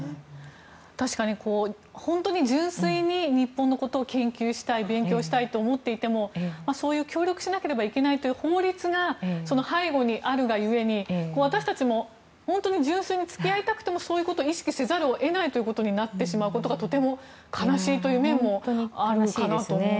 確かに、本当に純粋に日本のことを研究したい勉強したいと思っていてもそういう協力しなければいけないという法律が背後にあるがゆえに私たちも本当に純粋に付き合いたくてもそういうことを意識せざるを得なくなってしまうことがとても悲しい面もあるかなと思います。